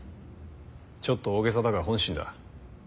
ちょっと大げさだが本心だ。